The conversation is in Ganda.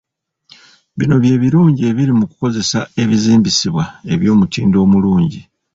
Bino bye birungi ebiri mu kukozesa ebizimbisibwa eby'omutindo omulungi.